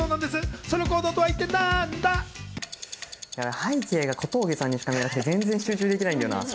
背景が小峠さんにしか見えなくて全然集中できないな。